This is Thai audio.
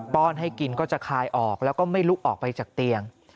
้อนให้กินก็จะคลายออกแล้วก็ไม่ลุกออกไปจากเตียง